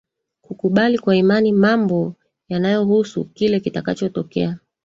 kukubali kwa imani mambo yanayohusu kile kitakachotokea